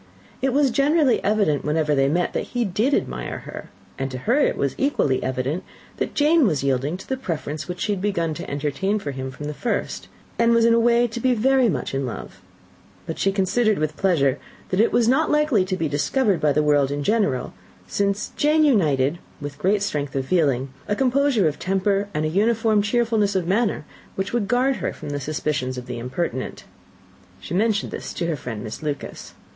It was generally evident, whenever they met, that he did admire her; and to her it was equally evident that Jane was yielding to the preference which she had begun to entertain for him from the first, and was in a way to be very much in love; but she considered with pleasure that it was not likely to be discovered by the world in general, since Jane united with great strength of feeling, a composure of temper and an uniform cheerfulness of manner, which would guard her from the suspicions of the impertinent. She mentioned this to her friend, Miss Lucas.